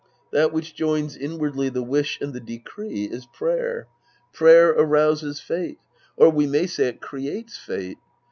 That which joins inwardly the wish and the decree is prayer. Prayer arouses fate. Or we may say it creates fate.